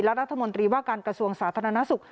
และรัฐมนตรีว่าการกระทรวงสาธารณสุข